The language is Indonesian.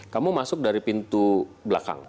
kamu masuk dari pintu belakang